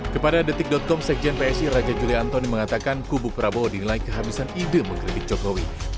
kepada detik com sekjen psi raja juli antoni mengatakan kubu prabowo dinilai kehabisan ide mengkritik jokowi